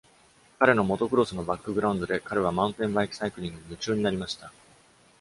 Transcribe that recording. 彼のモトクロスのバックグラウンドで、彼はマウンテンバイクサイクリングに夢中になりました。